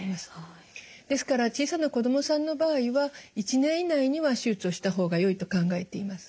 ですから小さな子どもさんの場合は１年以内には手術をした方がよいと考えています。